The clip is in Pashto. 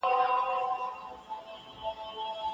هغه په ګڼ ځای کي د ږغ سره ډوډۍ راوړي وه.